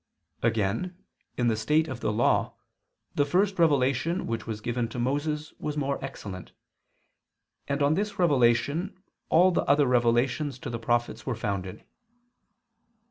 Again in the state of the Law the first revelation which was given to Moses was more excellent, and on this revelation all the other revelations to the prophets were founded.